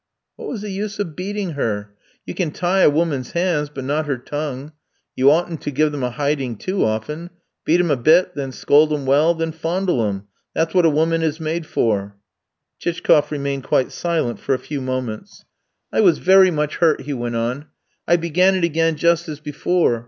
"What was the use of beating her? You can tie a woman's hands, but not her tongue. You oughtn't to give them a hiding too often. Beat 'em a bit, then scold 'em well, then fondle 'em; that's what a woman is made for." Chichkoff remained quite silent for a few moments. "I was very much hurt," he went on; "I began it again just as before.